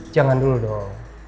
jangan dulu dong